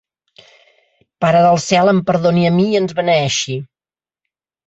Pare del cel em perdoni a mi i ens beneeixi.